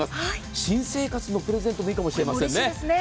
新生活のプレゼントにもいいかもしれないですね。